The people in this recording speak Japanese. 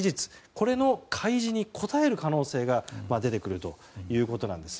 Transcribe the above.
これの開示に応える可能性が出てくるということなんです。